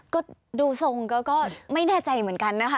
ก็ดูทรงก็ไม่แน่ใจเหมือนกันนะคะ